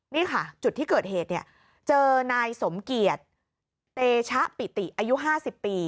นี่ค่ะจุดที่เกิดเหตุเนี่ยเจอนายสมเกียจเตชะปิติอายุ๕๐ปี